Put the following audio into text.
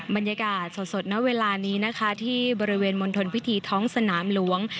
บรรยากาศสดณเวลานี้นะคะที่บริเวณมณฑลพิธีท้องสนามหลวง